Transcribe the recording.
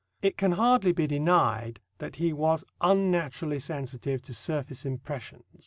It can hardly be denied that he was unnaturally sensitive to surface impressions.